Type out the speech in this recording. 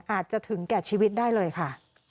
ถึงแก่ชีวิตได้เลยค่ะ